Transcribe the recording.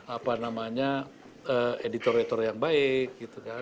apa namanya editor editor yang baik